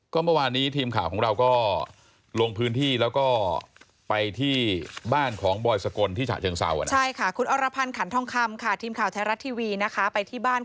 ก็เมื่อวานี้ทีมข่าวของเราก็ลงพื้นที่แล้วก็ไปที่บ้านของบอยสกลที่ฉะเชิงเซานะ